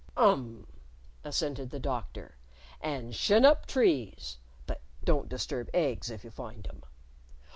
"Um!" assented the Doctor. "And shin up trees (but don't disturb eggs if you find 'em).